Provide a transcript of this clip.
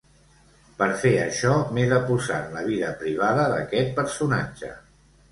Per fer això, m’he de posar en la vida privada d’aquest personatge.